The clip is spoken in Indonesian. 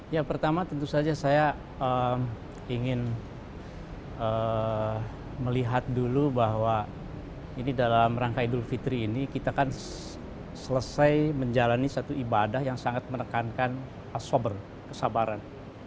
ya pertama tentu saja saya ingin melihat dulu bahwa ini dalam rangka idul fitri ini kita kan selesai menjalani satu ibadah yang sangat menekankan kesabaran